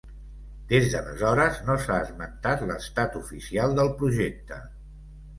Des d'aleshores no s'ha esmentat l'estat oficial del projecte.